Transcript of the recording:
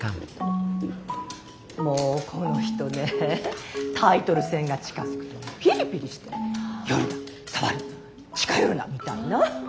もうこの人ねタイトル戦が近づくとピリピリして「寄るな触るな近寄るな」みたいな。